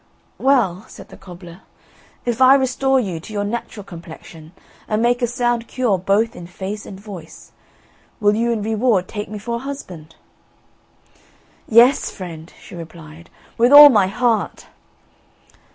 "Well," said the cobbler, "if I restore you to your natural complexion, and make a sound cure both in face and voice, will you in reward take me for a husband?" "Yes, friend," replied she, "with all my heart!"